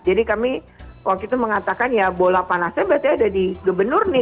jadi kami waktu itu mengatakan ya bola panasnya berarti ada di gubernur nih